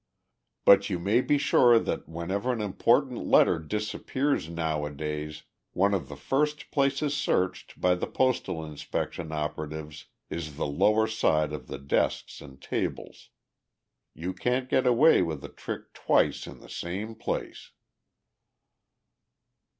But you may be sure that whenever an important letter disappears nowadays, one of the first places searched by the Postal Inspection operatives is the lower side of the desks and tables. You can't get away with a trick twice in the same place."